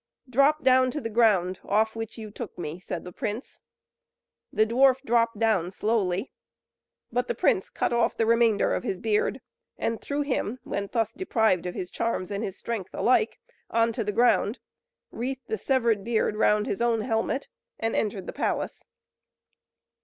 "Drop down to the ground, off which you took me," said the prince. The dwarf dropped down slowly, but the prince cut off the remainder of his beard and threw him when thus deprived of his charms and his strength alike on to the ground, wreathed the severed beard round his own helmet, and entered the palace.